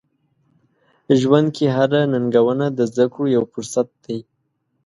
ژوند کې هره ننګونه د زده کړو یو فرصت دی.